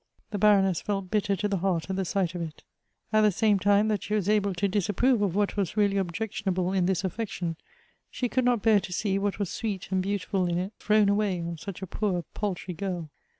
The Baroness felt bitter to the heart at the sight of it. At the same time that she was able to disapprove of what was really objectionable in this affection, she could not bear to see what was sweet and beautiful in it thrown away on such a poor paltry girl.